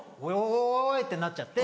おいってなっちゃって。